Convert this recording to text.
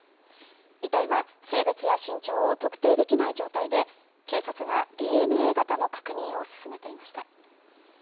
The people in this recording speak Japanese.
遺体は性別や身長を特定できない状態で警察がＤＮＡ型の確認を進めていました。